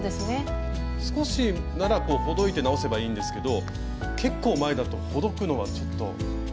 少しならほどいて直せばいいんですけど結構前だとほどくのはちょっと。